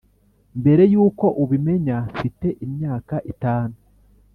mbere yuko ubimenya, mfite imyaka itanu